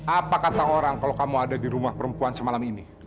apa kata orang kalau kamu ada di rumah perempuan semalam ini